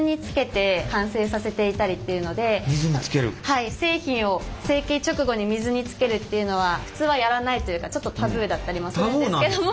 はい製品を成型直後に水につけるっていうのは普通はやらないというかちょっとタブーだったりもするんですけども。